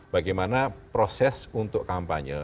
bagaimana proses untuk kampanye